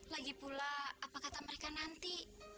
lagi pula apa kata mereka nanti